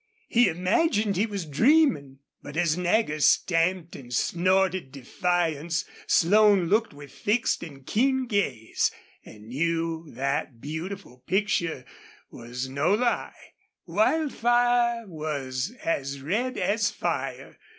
He imagined he was dreaming. But as Nagger stamped and snorted defiance Slone looked with fixed and keen gaze, and knew that beautiful picture was no lie. Wildfire was as red as fire.